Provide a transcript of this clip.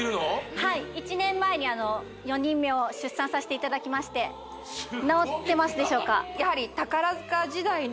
はい１年前に４人目を出産させていただきましてなおってますでしょうか？